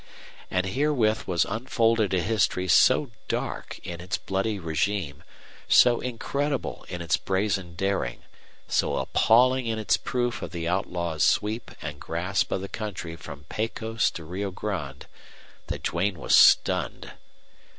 And herewith was unfolded a history so dark in its bloody regime, so incredible in its brazen daring, so appalling in its proof of the outlaw's sweep and grasp of the country from Pecos to Rio Grande, that Duane was stunned.